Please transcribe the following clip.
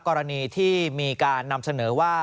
กรณีที่มีการนำเสนอว่า